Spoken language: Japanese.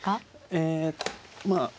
えまあ